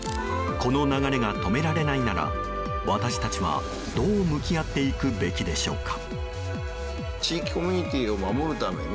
この流れが止められないなら私たちは、どう向き合っていくべきでしょうか。